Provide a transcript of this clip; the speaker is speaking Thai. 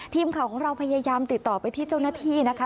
ทีมข่าวของเราพยายามติดต่อไปที่เจ้าหน้าที่นะคะ